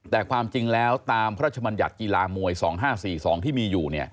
แต่ความจริงแล้วตามพระชมัญญัติกีฬามวย๒๕๔๒ที่มีอยู่